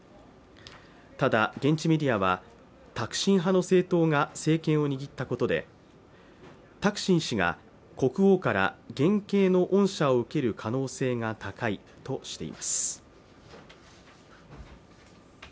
ただ、現地メディアはタクシン派の政党が政権を握ったことでタクシン氏が国王から減刑の恩赦を受ける可能性が高いとしています。